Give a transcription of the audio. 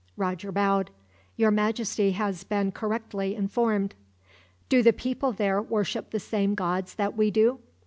Roger bowed. "Your Majesty has been correctly informed." "Do the people there worship the same gods that we do?"